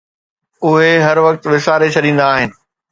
اهي هر وقت وساري ڇڏيندا آهن